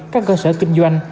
các cơ sở kinh doanh